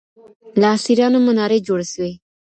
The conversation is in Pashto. له اسیرانو منارې جوړې سوې